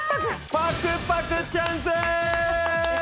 パクパクチャンス！